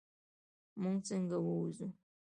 مونږ څنګه ووځو؟